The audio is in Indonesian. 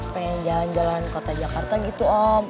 pengen jalan jalan kota jakarta gitu om